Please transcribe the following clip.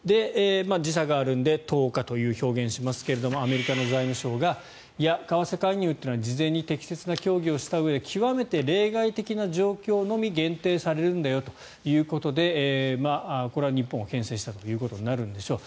時差があるので１０日という表現をしましたがアメリカの財務省が為替介入というのは事前に適切な協議をしたうえで極めて例外的な状況にのみ限定されるんだよということでこれは日本をけん制したということになるんでしょう。